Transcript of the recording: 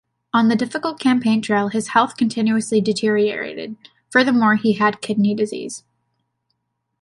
On the difficult campaign trail, his health continuously deteriorated; furthermore he had kidney disease.